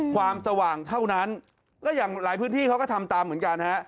ความสว่างเท่านั้นก็อย่างหลายพื้นที่เขาก็ทำตามเหมือนกันฮะ